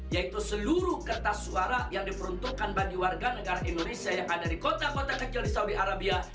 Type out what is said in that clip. yaitu seluruh kertas suara yang diperuntukkan bagi warga negara indonesia yang ada di kota kota kecil di saudi arabia